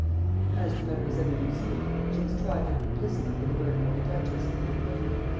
As to Mademoiselle de Luzy, she was tried for complicity in the murder of the duchess, and acquitted.